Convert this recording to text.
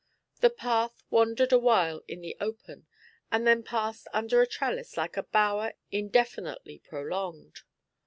The path wandered a while in the open, and then passed under a trellis like a bower indefinitely prolonged.